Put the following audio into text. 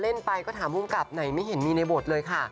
เล่นไปก็ถามภูมิกับไหนไม่เห็นมีในบทเลยค่ะ